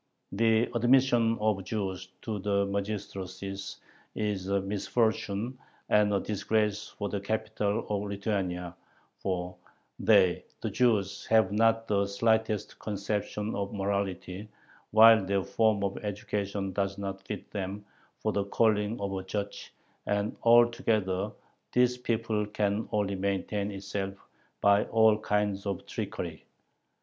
The admission of Jews to the magistracies is a misfortune and a disgrace for the capital of Lithuania, for they [the Jews] have not the slightest conception of morality, while their form of education does not fit them for the calling of a judge, and altogether this people can only maintain itself by all kinds of trickery....